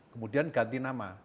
kemudian ganti nama